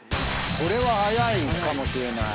これは速いかもしれない。